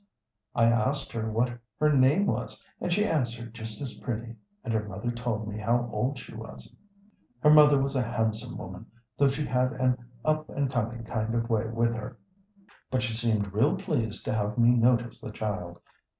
I asked her what her name was, and she answered just as pretty, and her mother told me how old she was. Her mother was a handsome woman, though she had an up and coming kind of way with her. But she seemed real pleased to have me notice the child.